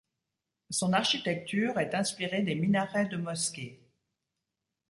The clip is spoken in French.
Son architecture est inspirée des minarets de mosquées.